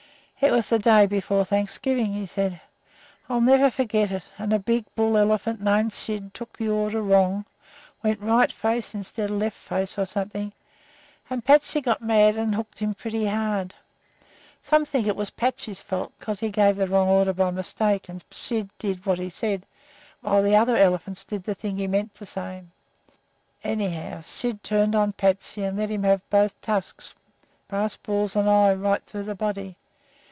"It was the day before Thanksgiving," he said. "I'll never forget it, and a big bull elephant named Syd took the order wrong, went 'right face' instead of 'left face,' or something, and 'Patsy' got mad and hooked him pretty hard. Some think it was 'Patsy's' fault, because he gave the wrong order by mistake and Syd did what he said, while the other elephants did the thing he meant to say. Anyhow, Syd turned on 'Patsy' and let him have both tusks, brass balls and all, right through the body.